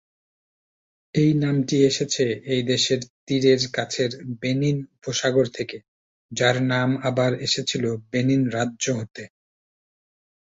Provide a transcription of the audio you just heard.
এই নামটি এসেছে এই দেশের তীরের কাছের বেনিন উপসাগর থেকে, যার নাম আবার এসেছিলো বেনিন রাজ্য হতে।